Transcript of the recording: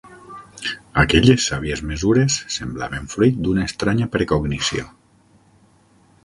Aquelles sàvies mesures semblaven fruit d'una estranya precognició.